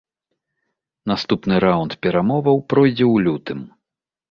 Наступны раунд перамоваў пройдзе ў лютым.